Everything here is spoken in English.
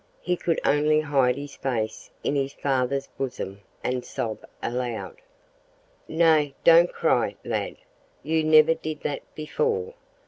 He could only hide his face in his father's bosom and sob aloud. "Nay, don't cry, lad; you never did that before!